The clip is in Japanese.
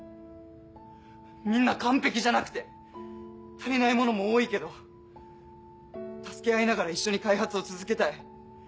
みんな完璧じゃなくて足りないものも多いけど助け合いながら一緒に開発を続けたい。